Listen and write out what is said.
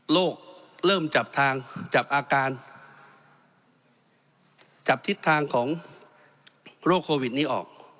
เริ่มจับทางจับอาการจับทิศทางของโรคโควิดนี้ออก